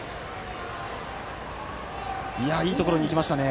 いいところにいきましたね。